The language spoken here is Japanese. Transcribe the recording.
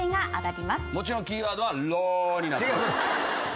もちろんキーワードは「ロー」違います。